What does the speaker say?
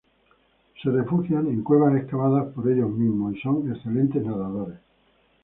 Se refugian en cuevas excavadas por ellos mismos y son excelentes nadadores.